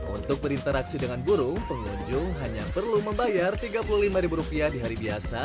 untuk berinteraksi dengan burung pengunjung hanya perlu membayar tiga puluh lima di hari biasa